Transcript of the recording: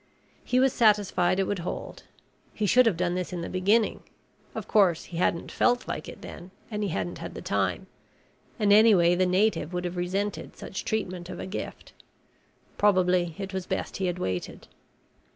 He was satisfied it would hold. He should have done this in the beginning. Of course he hadn't felt like it then and he hadn't had the time and anyway the native would have resented such treatment of a gift. Probably it was best he had waited.